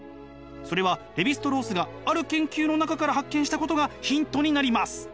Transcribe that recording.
それはレヴィ＝ストロースがある研究の中から発見したことがヒントになります。